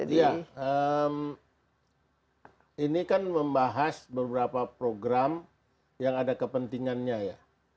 iya ini kan membahas beberapa program yang ada kepentingannya ya